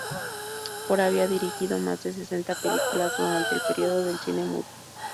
Ford había dirigido más de sesenta películas durante el período del cine mudo.